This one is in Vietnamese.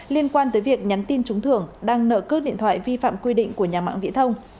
liên quan tới việc nhắn tin trúng thưởng đang nợ cước điện thoại vi phạm quy định của nhà mạng viễn thông